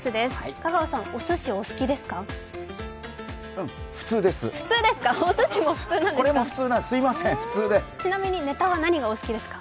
香川さん、おすしお好きですか？